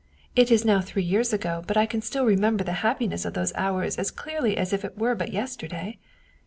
It is now three years ago, but I can still remember the hap piness of those hours as clearly as if it were but yesterday..